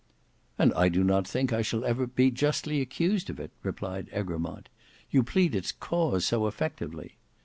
"And I do not think I shall ever again be justly accused of it," replied Egremont, "you plead its cause so effectively.